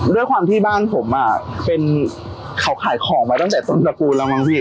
ด้วยความที่บ้านผมอ่ะเป็นเขาขายของมาตั้งแต่ต้นตระกูลแล้วมั้งพี่